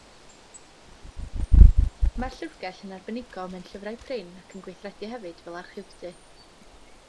Mae'r llyfrgell yn arbenigo mewn llyfrau prin ac yn gweithredu hefyd fel archifdy.